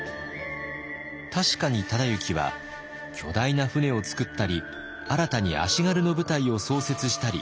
確かに忠之は巨大な船を造ったり新たに足軽の部隊を創設したり。